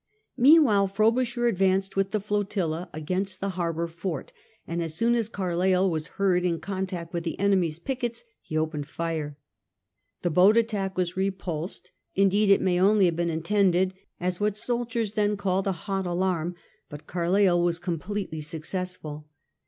Meanwhile Frobisher advanced with the flotilla against the harbour fort, and as soon as Carleill was heard in contact with the enemy's pickets he opened fire. The boat attack was repulsed — indeed, it may only have been intended as what soldiers then called " a hot alarm "— ^but Carleill was completely suc cessful.